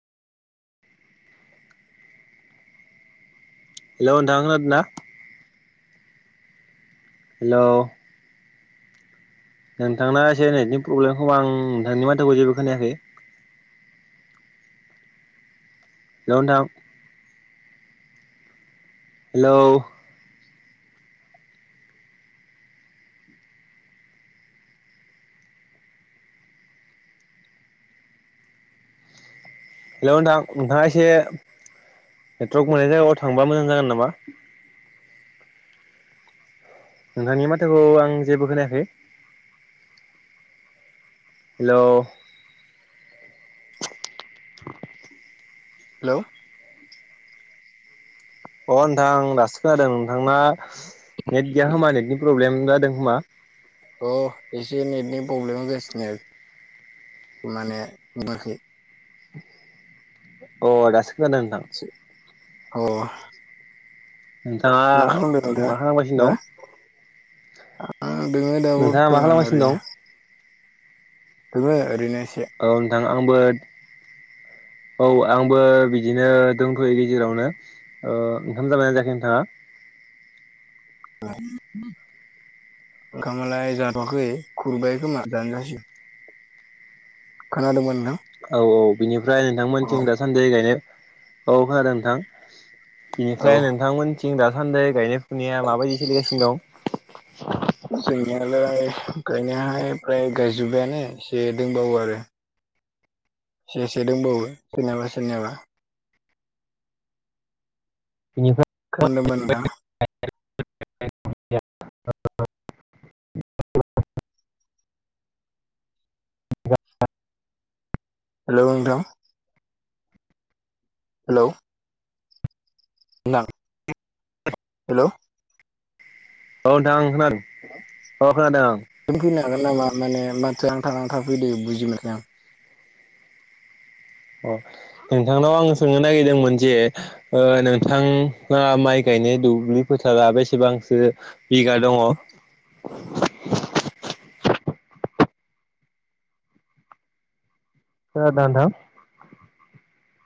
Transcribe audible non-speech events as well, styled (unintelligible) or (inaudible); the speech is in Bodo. हेलौ नोंथां खोनादों ना? हेलौ नोंथांना एसे नटनि प्रब्लेमखौ आं नोंथांनि माथोखौ जेबो खोनायाखै। (inaudible) हेलौ नोंथां। हेलौ। हेलौ नोंथां। नोंथाङा एसे नेटवारर्क मोननाय जायगाायाव थांबा मोजां जागोन नामा? नोंथांनि माथाखौ आं जेबो खोनायाखै। हेलौ हेलौ अ नोंथां दासो खोनादों नोंथांना नेट गैया खोमा नेटनि प्रब्लेम। जादो खोमा? अ एसे नेटनि प्रब्लेम होगासिनो आरोखि। माने (unintelligible) अ दासो खोनादों नोंथां। अ नोंथाङा मा खालामदो दा मा खालामगासिनो नोंथाङा? दं आं जोङो दा नोंथाङा मा बरतमान खालामगासिनो ओरैनो दं? दोङो ओरैनो। एसे औ नोंथां आंबो औ आंबो बिदिनो दंथयो गेजेरावनो ओंखाम जाबाय ना जायाखै नोंथाङा? (unintelligible) ओं खामालाय जाथखै खुरबाय खोमा जानो जासिगोन। खोनादोबा नोंथां? औ औ बिनिफ्राय अ नोंथांमोनथिं दासानदि गायनो औ खोनादों नोंथां। औ बिनिफ्राय नोंथांमोनथिं दासान्दि गायनो फनाया माबायदि सोलिगासिनो दं? जोंनियालाय गायनायाहाय फ्राय गायजोब्बायानो एसे दंबावो आरो। एसे एसे दंबावो सोरनियाबा सोरनियाबा बिनिफ्राय खोनादोबा नोंथां? (unintelligible) हेल' नोंथां हेलौ (unintelligible) हेलौ औ नोंथां आं खोनादों औ खोनादों आं (inaudible) फैनो हागोन नामा माने माथोआ नांथा नांथा फैदो बुजिमोनाखै आं। अ नोंथांनाव आं सोंनो नागिरदोंमोन जे ओ नोंथाङा माइ गाय नाय दुब्लि फोथारा बेसेबांसो बिघा दङ। (inaudible) खोनादों नोंथां?